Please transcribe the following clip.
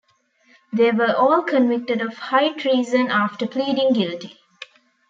They were all convicted of high treason after pleading guilty.